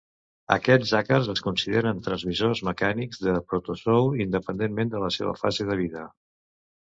Aquests àcars es consideren transmissors mecànics del protozou, independentment de la seva fase de vida.